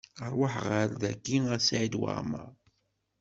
Rwaḥ ɣer dayi a Saɛid Waɛmaṛ!